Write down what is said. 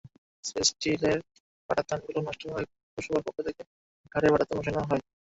স্টিলের পাটাতনগুলো নষ্ট হওয়ায় পৌরসভার পক্ষ থেকে কাঠের পাটাতন বসানো হয়।